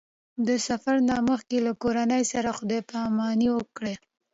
د سفر نه مخکې له کورنۍ سره خدای پاماني وکړه.